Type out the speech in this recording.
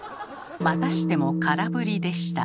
またしても空振りでした。